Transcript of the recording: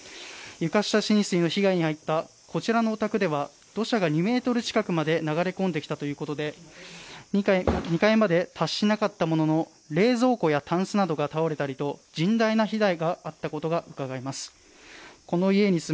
床下浸水の被害に遭ったこちらのお宅では、土砂が２ｍ近くまで流れ込んできたということで２階まで達しなかったものの冷蔵庫やたんすなどが倒れたりと甚大な被害があったことがうかがえます。